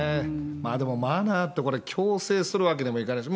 でもマナーって、強制するわけにもいかないし。